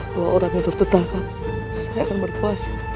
kalau orang itu tertangkap saya akan berpuasa